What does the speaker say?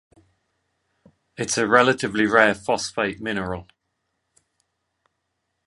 It is a relatively rare phosphate mineral.